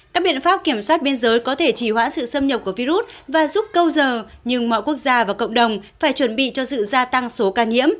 các biện pháp kiểm soát biên giới có thể chỉ hoãn sự xâm nhập của virus và giúp câu giờ nhưng mọi quốc gia và cộng đồng phải chuẩn bị cho sự gia tăng số ca nhiễm